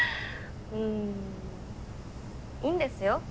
うんいいんですよ